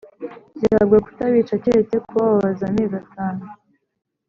Zihabwa kutabica keretse kubababaza amezi atanu.